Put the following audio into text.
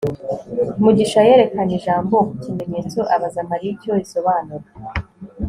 mugisha yerekanye ijambo ku kimenyetso abaza mariya icyo risobanura